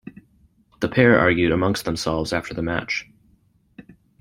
The pair argued amongst themselves after the match.